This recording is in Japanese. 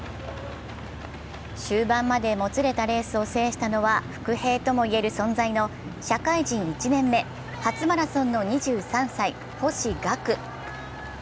終盤までもつれたレースを制したのは、伏兵ともいえる存在の社会人１年目、初マラソンの２３歳、星岳。